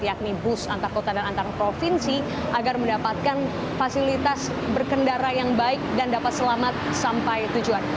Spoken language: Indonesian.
yakni bus antar kota dan antar provinsi agar mendapatkan fasilitas berkendara yang baik dan dapat selamat sampai tujuan